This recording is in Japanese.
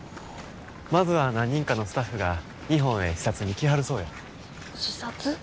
まずは何人かのスタッフが日本へ視察に来はるそうや。視察？